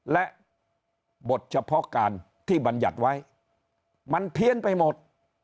และบทเฉพาะการที่บรรยัติไว้มันเพี้ยนไปหมด